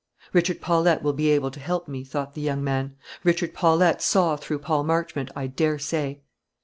"Richard Paulette will be able to help me," thought the young man; "Richard Paulette saw through Paul Marchmont, I dare say."